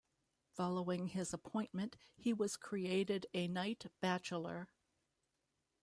Following his appointment, he was created a knight bachelor.